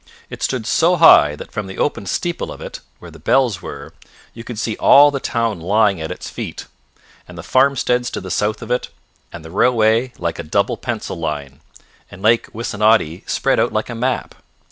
It stood so high that from the open steeple of it, where the bells were, you could see all the town lying at its feet, and the farmsteads to the south of it, and the railway like a double pencil line, and Lake Wissanotti spread out like a map.